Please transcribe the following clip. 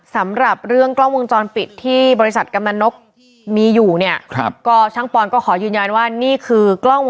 สำหรับเรื่องกล้องวงจรปิดที่บริษัทกลับมานก